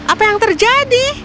apa yang terjadi